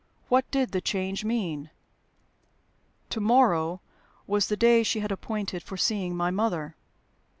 What did the change mean? "To morrow" was the day she had appointed for seeing my mother.